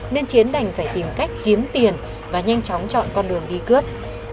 nên chiến đành phải tìm cách kiếm tiền và nhanh chóng chọn con đường đi cướp